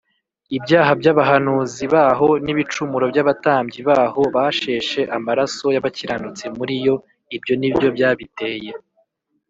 Ibyaha by’abahanuzi baho, N’ibicumuro by’abatambyi baho, Basheshe amaraso y’abakiranutsi muri yo, Ibyo ni byo byabiteye.